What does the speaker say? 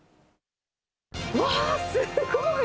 わあ、すごい！